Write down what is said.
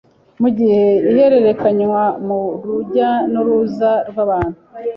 mu gihe ihererekanywa mu rujya n’uruza rw’abantu.”